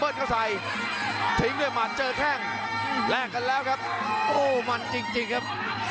แรกกันแล้วครับโอ้มันจริงครับ